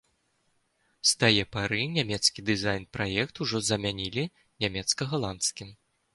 З тае пары нямецкі дызайн-праект ужо замянілі нямецка-галандскім.